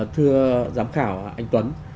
thưa giám khảo anh tuấn